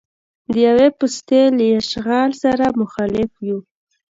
د یوې پوستې له اشغال سره مخالف یو.